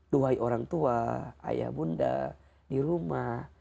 duhai orang tua ayah bunda di rumah